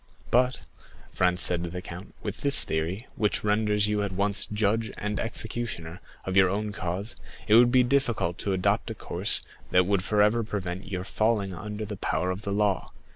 "But," said Franz to the count, "with this theory, which renders you at once judge and executioner of your own cause, it would be difficult to adopt a course that would forever prevent your falling under the power of the law.